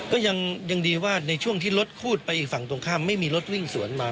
ก็ยังดีว่าในช่วงที่รถคูดไปอีกฝั่งตรงข้ามไม่มีรถวิ่งสวนมา